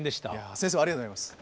先生もありがとうございます。